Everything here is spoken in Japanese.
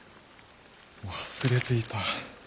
忘れていた。